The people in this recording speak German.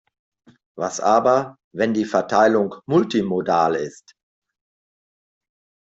Was aber, wenn die Verteilung multimodal ist?